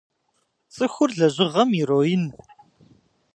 Цӏыхур лэжьыгъэм ироин.